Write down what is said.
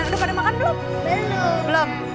mbak aku mau pulang